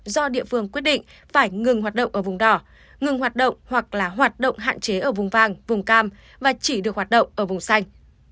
do địa phương quyết định phải ngừng hoạt động ở vùng đỏ ngừng hoạt động hoặc là hoạt động hạn chế ở vùng vàng vùng cam và chỉ được hoạt động ở vùng xanh